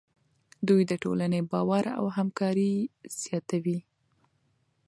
دوی د ټولنې باور او همکاري زیاتوي.